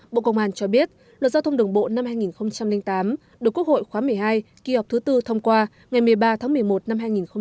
bộ công an cho biết luật giao thông đường bộ năm hai nghìn tám được quốc hội khóa một mươi hai kỳ họp thứ tư thông qua ngày một mươi ba tháng một mươi một năm hai nghìn một mươi